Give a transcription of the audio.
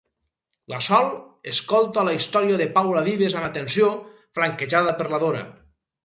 La Sol escolta la història de Paula Vives amb atenció, flanquejada per la Dora.